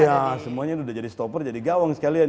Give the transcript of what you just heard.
ya semuanya udah jadi stoper jadi gawang sekalian